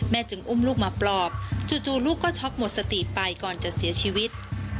จึงอุ้มลูกมาปลอบจู่ลูกก็ช็อกหมดสติไปก่อนจะเสียชีวิต